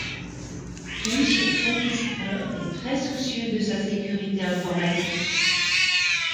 Finch est très discret et très soucieux de sa sécurité informatique.